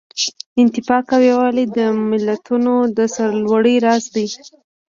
اتفاق او یووالی د ملتونو د سرلوړۍ راز دی.